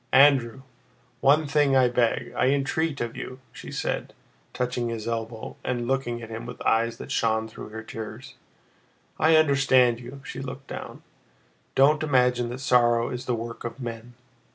"Andrew! One thing I beg, I entreat of you!" she said, touching his elbow and looking at him with eyes that shone through her tears. "I understand you" (she looked down). "Don't imagine that sorrow is the work of men.